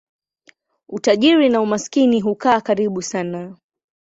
Utajiri na umaskini hukaa karibu sana.